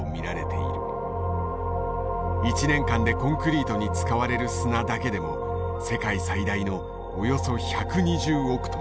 １年間でコンクリートに使われる砂だけでも世界最大のおよそ１２０億トン。